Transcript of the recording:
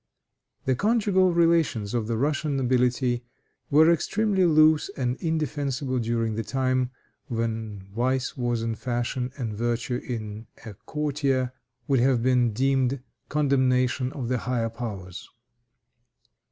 The conjugal relations of the Russian nobility were extremely loose and indefensible during the time when vice was fashion, and virtue in a courtier would have been deemed condemnation of the higher powers.